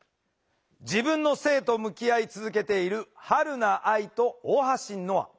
自分の性と向き合い続けているはるな愛と大橋ノア。